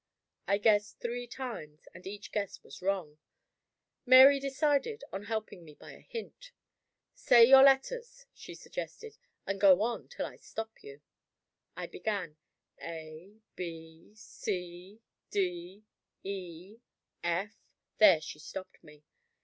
I guessed three times, and each guess was wrong. Mary decided on helping me by a hint. "Say your letters," she suggested; "and go on till I stop you." I began: "A, B, C, D, E, F " There she stopped me.